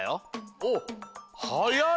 おっはやい！